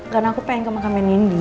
karena aku pengen ke makam menindi